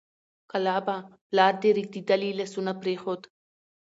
کلابه! پلار دې رېږدېدلي لاسونه پرېښود